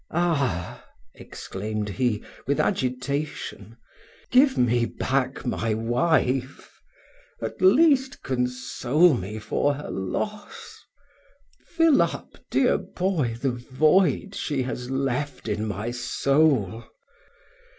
"Ah!" exclaimed he, with agitation, "Give me back my wife; at least console me for her loss; fill up, dear boy, the void she has left in my soul.